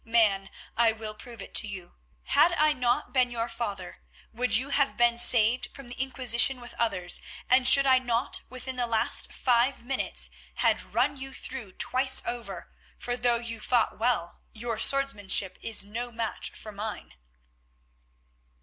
Man, I will prove it to you. Had I not been your father, would you have been saved from the Inquisition with others, and should I not within the last five minutes had run you through twice over, for though you fought well, your swordsmanship is no match for mine?"